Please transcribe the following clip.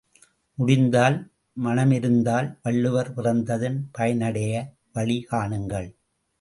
முடிந்தால் மனமிருந்தால் வள்ளுவம் பிறந்ததன் பயனையடைய வழி காணுங்கள்.